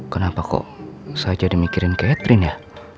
kenapa kok saya jadi mikirin catherine ya